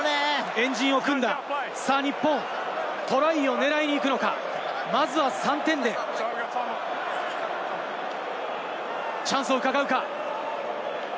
円陣を組んだ日本、トライを狙いにいくのか、まずは３点でチャンスをうかがうか？